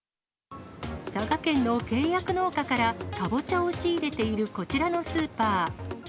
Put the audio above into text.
佐賀県の契約農家からカボチャを仕入れているこちらのスーパー。